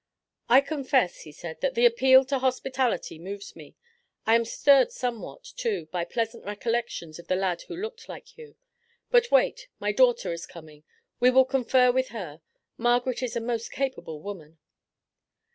"I confess," he said, "that the appeal to hospitality moves me. I am stirred somewhat, too, by pleasant recollections of the lad who looked like you. But wait, my daughter is coming. We will confer with her. Margaret is a most capable woman."